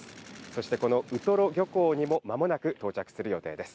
そしてこのウトロ漁港にも間もなく到着する予定です。